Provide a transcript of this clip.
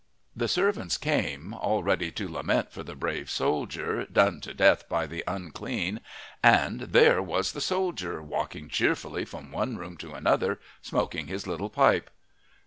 The servants came, all ready to lament for the brave soldier done to death by the unclean, and there was the soldier walking cheerfully from one room to another, smoking his little pipe.